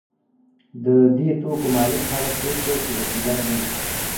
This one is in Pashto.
د دې توکو مالک هغه څوک دی چې وسیله نلري